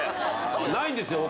ないんですよ他。